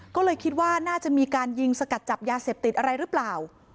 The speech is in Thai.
ก็เลยคิดว่าน่าจะมีการยิงสกัดจับยาเสพติดอะไรหรือเปล่า